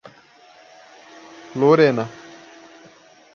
Lorena